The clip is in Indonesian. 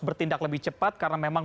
bertindak lebih cepat karena memang